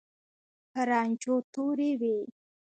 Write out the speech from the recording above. په رانجو تورې وې.